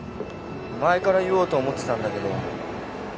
前から言おうと思ってたんだけど。